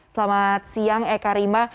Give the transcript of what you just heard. selamat siang eka rima